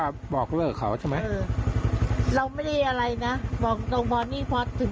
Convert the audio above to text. มีวิธีเราก็ไม่เที่ยวด้วยการที่ที่งานเนอะอืม